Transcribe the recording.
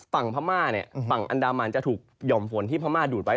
ฝั่งอันดามาลจะถูกย่อมฝนที่พม่าดูดไว้